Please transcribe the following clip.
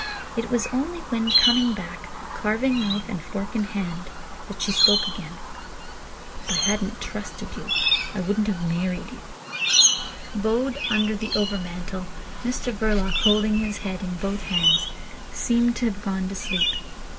It was only when coming back, carving knife and fork in hand, that she spoke again. "If I hadn't trusted you I wouldn't have married you." Bowed under the overmantel, Mr Verloc, holding his head in both hands, seemed to have gone to sleep.